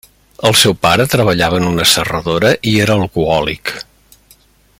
El seu pare treballava en una serradora i era alcohòlic.